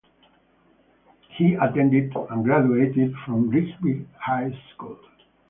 He attended and graduated from Rigby High School.